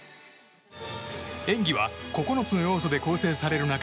演技は９つの要素で構成される中